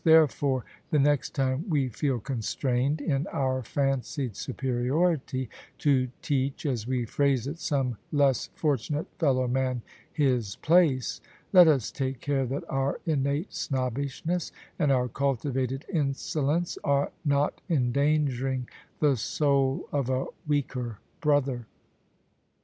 Therefore, the next time we feel constrained, in our fancied superiority, to teach (as we phrase it) some less fortunate fellow man his place, let us take care that our innate snobbishness and our cultivated insolence are not en dangering the soul of a weaker brother.